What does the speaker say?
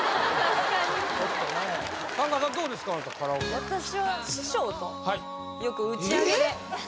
確かに私は師匠とよく打ち上げでえっ！？